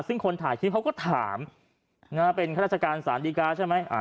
ซึ่งคนถ่ายคลิปเขาก็ถามเป็นข้าราชการสารดีกาใช่ไหม